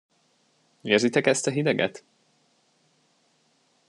Érzitek ezt a hideget?